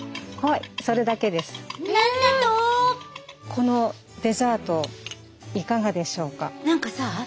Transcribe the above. このデザートいかがでしょうか？